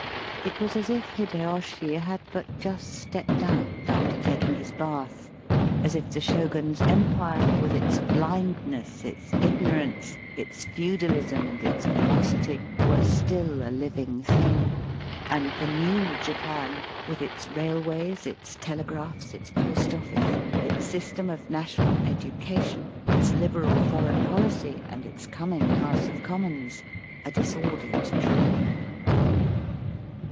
It was as if Hideyoshi had but just stepped out after taking his bath, as if the Shogun's empire, with its blindness, its ignorance, its feudalismj^ and its ferocity, were still a living thing, and the new Japan, with its railways, its telegraphs, its post office, its system of national education, its liberal foreign policy, and its coming House of Commons, a disordered dream.